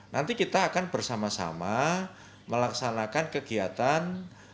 nanti kita akan bersama sama melaksanakan kegiatan